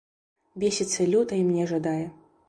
Бесіцца люта і мне жадае.